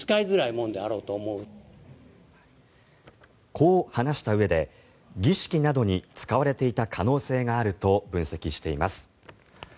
こう話したうえで儀式などに使われていた可能性があると分析しています。